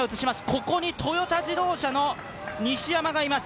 ここにトヨタ自動車の西山がいます。